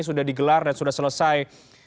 sudah digelar dan sudah selesai